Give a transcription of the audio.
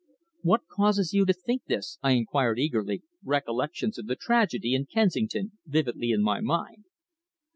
"What causes you to think this?" I inquired eagerly, recollections of the tragedy in Kensington vividly in my mind.